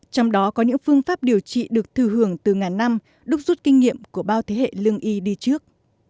trong đó có những phương pháp điều trị được thư hưởng từ ngàn năm đúc rút kinh nghiệm của bao thế hệ lương y đi trước